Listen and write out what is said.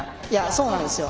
そうなんですよ